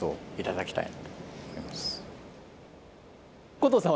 古藤さん